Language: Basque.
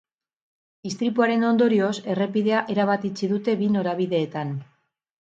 Istripuaren ondorioz, errepidea erabat itxi dute bi norabideetan.